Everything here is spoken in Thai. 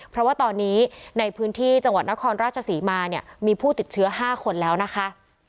เพราะว่าตอนนี้ในพื้นที่จังหวัดนครราชศรีมาเนี่ยมีผู้ติดเชื้อ๕คนแล้วนะคะ